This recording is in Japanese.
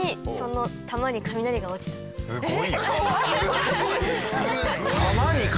すごい。